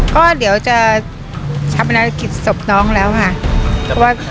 ก็เดี๋ยวจะทำลักษณะลักษณ์สบน้องแล้วค่ะ